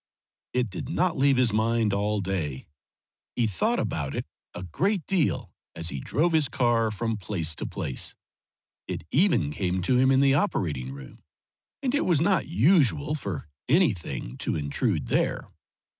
It did not leave his mind all day; he thought about it a great deal as he drove his car from place to place. It even came to him in the operating room, and it was not usual for anything to intrude there.